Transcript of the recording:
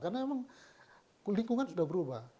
karena memang lingkungan sudah berubah